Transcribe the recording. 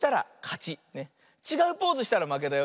ちがうポーズしたらまけだよ。